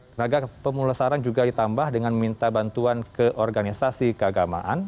tenaga pemulasaran juga ditambah dengan meminta bantuan ke organisasi keagamaan